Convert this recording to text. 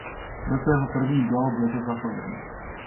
Byl to jeho první gól v lize za Plzeň.